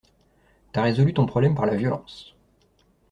T'as résolu ton problème par la violence.